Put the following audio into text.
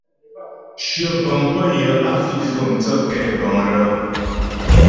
Shyə bə̀ŋ pə́ yə á fi' fə̀'ə mthə́ kɛ̌bəŋ lə.